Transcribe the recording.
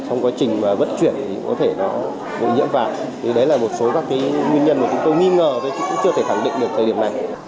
trong quá trình vận chuyển thì có thể nó bị nhiễm vào thì đấy là một số các cái nguyên nhân mà chúng tôi nghi ngờ và cũng chưa thể thẳng định được thời điểm này